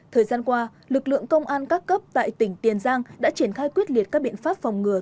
thời gian qua lực lượng công an các cấp tại tỉnh tiền giang đã triển khai quyết liệt các biện pháp phòng ngừa